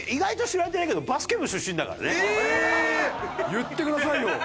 言ってくださいよ！